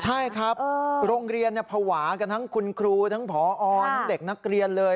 ใช่ครับโรงเรียนภาวะกันทั้งคุณครูทั้งผอทั้งเด็กนักเรียนเลย